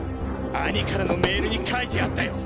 兄からのメールに書いてあったよ。